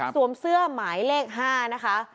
เสื้อหมายเลข๕นะคะ